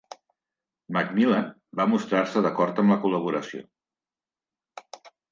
McMillan va mostrar-se d'acord amb la col·laboració.